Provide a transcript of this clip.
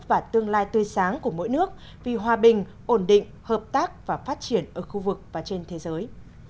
và tương lai tươi sáng của mỗi nước vì hòa bình ổn định hợp tác và phát triển ở khu vực và trên thế giới